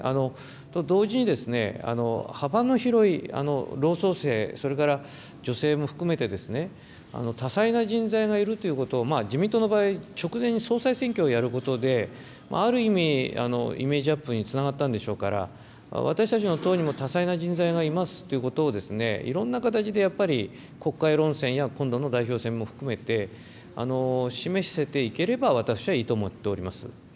と同時に、幅の広い老壮青、それから女性も含めてですね、多彩な人材がいるということを、自民党の場合、直前に総裁選挙をやることで、ある意味イメージアップにつながったんでしょうから、私たちの党にも多彩な人材がいますということを、いろんな形でやっぱり国会論戦や今度の代表戦も含めて、示せていければ、私はいいと思っております。